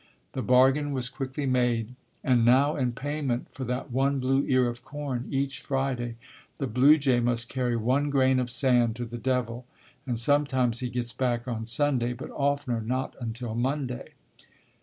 The bargain was quickly made. And now in payment for that one blue ear of corn each Friday the blue jay must carry one grain of sand to the devil, and sometimes he gets back on Sunday, but oftener not until Monday.